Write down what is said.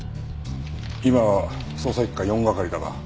今は捜査一課四係だが。